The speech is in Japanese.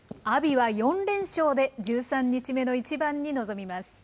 阿炎は４連勝で、１３日目の一番に臨みます。